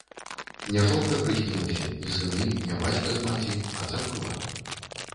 Не жонка прыснілася, не сыны, не бацька з маці, а царква.